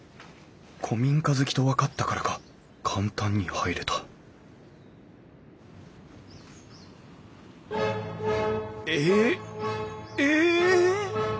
古民家好きと分かったからか簡単に入れたえええ！？